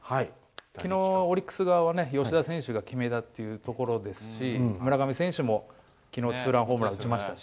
昨日、オリックス側は吉田選手が決めたところですし村上選手もツーランホームランを打ちましたし。